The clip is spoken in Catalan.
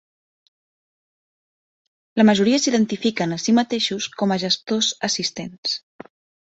La majoria s'identifiquen a si mateixos com a "gestors assistents.